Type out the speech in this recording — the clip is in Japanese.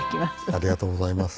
ありがとうございます。